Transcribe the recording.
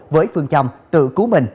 với phương châm tự cứu mình